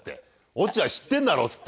「落合知ってんだろ？」つって。